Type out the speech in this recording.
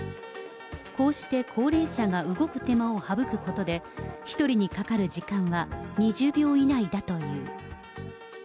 こうして高齢者が動く手間を省くことで、１人にかかる時間は２０秒以内だという。